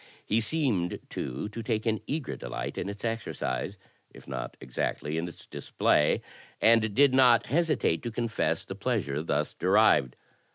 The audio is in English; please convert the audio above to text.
He seemed, too, to take an eager delight in its exercise — ^if not exactly in its display — ^and did not hesi tate to confess the pleasure thus derived.